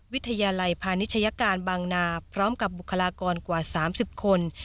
วิทยาลัยพาณิชยการบางนาพร้อมกับบุคลากรกว่า๓๐คน